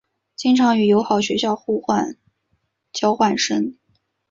经常与友好学校互换交换生。